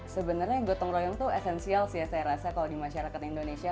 sebenarnya gotong royong itu esensial sih ya saya rasa kalau di masyarakat indonesia